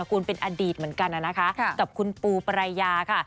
คุณเป็นอดีตเหมือนกันนะคะกับคุณปูปรายาค่ะ